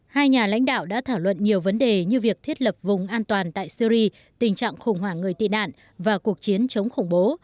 hai nhà lãnh đạo đã thảo luận nhiều vấn đề như việc thiết lập vùng an toàn tại syri tình trạng khủng hoảng người tị nạn và cuộc chiến chống khủng bố